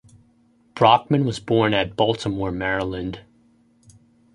Brockman was born at Baltimore, Maryland.